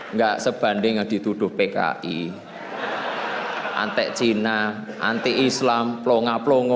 nggak sebanding yang dituduh pki anti cina anti islam plonga plongo